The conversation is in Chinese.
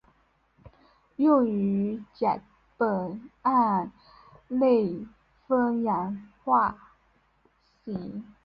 用于将苯胺类和酚氧化为醌。